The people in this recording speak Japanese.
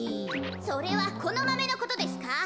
それはこのマメのことですか？